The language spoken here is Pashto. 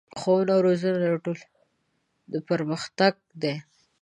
ښوونه او روزنه د ټولنې پرمختګ دی.